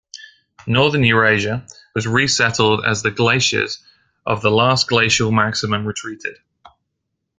Northern Eurasia was resettled as the glaciers of the last glacial maximum retreated.